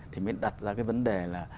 thì mới đặt ra cái vấn đề là